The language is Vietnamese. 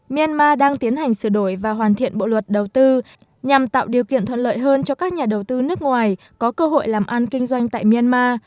myanmar đang tiến hành sửa đổi và hoàn thiện bộ luật đầu tư nhằm tạo điều kiện thuận lợi hơn cho các nhà đầu tư nước ngoài có cơ hội làm ăn kinh doanh tại myanmar